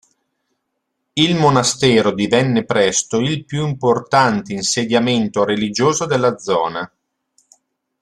Il monastero divenne presto il più importante insediamento religioso della zona.